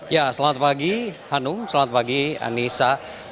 ya selamat pagi hanum selamat pagi anissa